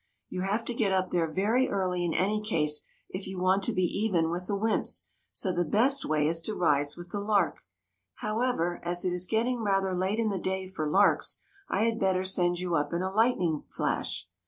You have to get up there very early in any case, if you want to be even v/ith the wymps ; so the best way is to rise with the lark. How ever, as it is getting rather late in the day for larks, I had better send you up in a lightning flash.